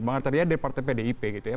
bang arteria dari partai pdip gitu ya